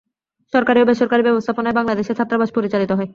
সরকারি ও বেসরকারী ব্যবস্থাপনায় বাংলাদেশে ছাত্রাবাস পরিচালিত হয়।